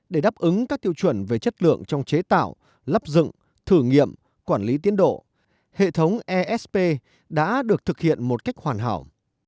để đáp ứng các tiêu chuẩn về chất lượng trong chế tạo lắp dựng thử nghiệm quản lý tiến độ hệ thống esp đã được thực hiện một cách hoàn hảo